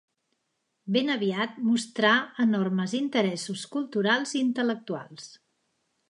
Ben aviat mostrà enormes interessos culturals i intel·lectuals.